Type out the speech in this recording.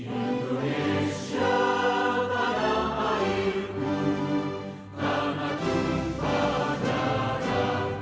indonesia padang airku tanah tumpah daraku